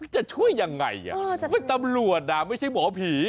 จะช่วยยังไงตำรวจไม่ใช่หมอผี